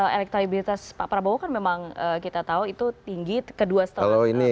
elektabilitas pak prabowo kan memang kita tahu itu tinggi kedua setelah pak jokowi